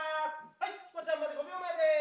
はいチコちゃんまで５秒前です！